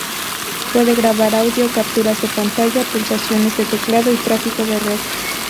Puede grabar audio, capturas de pantalla, pulsaciones de teclado y tráfico de red.